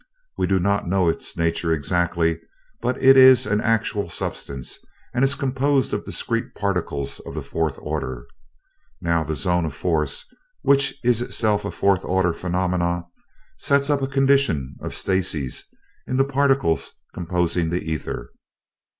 We do not know its nature exactly, but it is an actual substance, and is composed of discrete particles of the fourth order. Now the zone of force, which is itself a fourth order phenomenon, sets up a condition of stasis in the particles composing the ether.